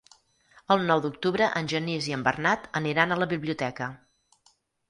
El nou d'octubre en Genís i en Bernat aniran a la biblioteca.